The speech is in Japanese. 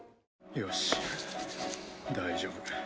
よし大丈夫。